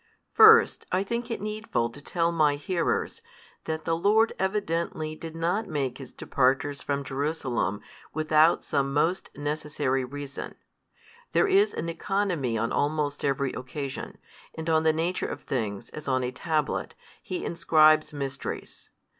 First I think it needful to tell my hearers, that the Lord evidently did not make His departures from Jerusalem without some most necessary reason. There is an economy on almost every occasion, and on the nature of things, as on a tablet, He inscribes mysteries.